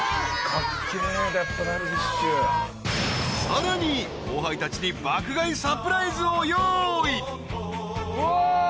［さらに後輩たちに爆買いサプライズを用意］